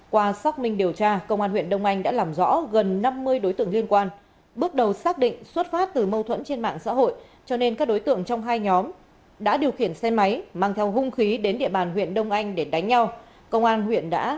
qua xác minh điều tra công an huyện đông anh đã làm rõ gần năm mươi đối tượng liên quan bước đầu xác định xuất phát từ mâu thuẫn trên mạng xã hội cho nên các đối tượng trong hai nhóm đã điều khiển xe máy mang theo hung khí đến địa bàn huyện đông anh để đánh nhau công an huyện